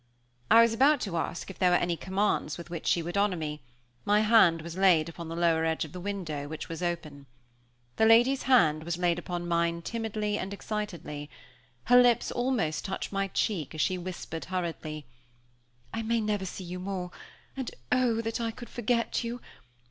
I was about to ask if there were any commands with which she would honor me my hand was laid upon the lower edge of the window, which was open. The lady's hand was laid upon mine timidly and excitedly. Her lips almost touched my cheek as she whispered hurriedly: "I may never see you more, and, oh! that I could forget you.